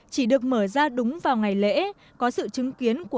chỉ được mở ra đúng vào ngày lễ